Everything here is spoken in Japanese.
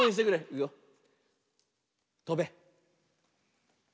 いくよ。とべ。